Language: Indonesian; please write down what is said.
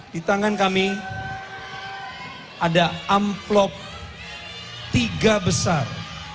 di tangan kami ada amplop tiga besar